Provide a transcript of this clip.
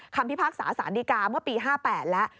พิพากษาสารดีกาเมื่อปี๕๘แล้ว